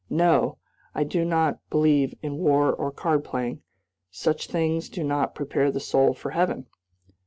No! I do not believe in war or card playing; such things do not prepare the soul for heaven."